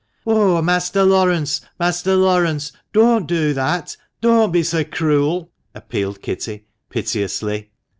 "Oh, Master Laurence! Master Laurence! don't do that — don't be so cruel !" appealed Kitty, piteously.